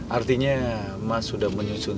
artinya mas sudah menyusunkan